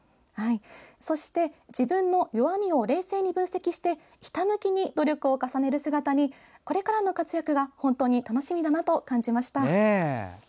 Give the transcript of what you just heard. そして、自分の弱みを冷静に分析してひたむきに努力を重ねる姿にこれからの活躍が本当に楽しみだなと思いました。